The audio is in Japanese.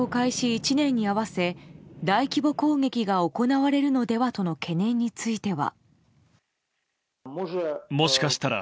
１年に合わせ大規模攻撃が行われるのではとの懸念については。